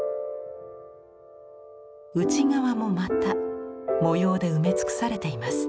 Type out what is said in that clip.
内側もまた模様で埋め尽くされています。